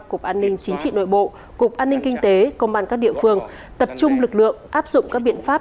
cục an ninh chính trị nội bộ cục an ninh kinh tế công an các địa phương tập trung lực lượng áp dụng các biện pháp